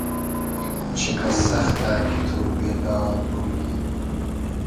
چیقئس سئختۂ کی تو بېدار بومنی